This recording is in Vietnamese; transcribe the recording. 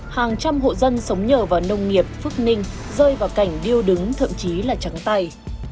hàng trăm hộ dân sống nhờ vào nông nghiệp phước ninh rơi vào cảnh điêu đứng thậm chí là trắng tay